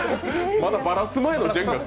まだ、ばらす前のジェンガ。